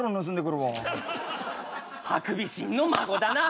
ハクビシンの孫だな！